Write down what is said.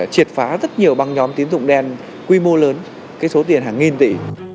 triệt phá rất nhiều bằng nhóm tín dụng đen quy mô lớn cái số tiền hàng nghìn tỷ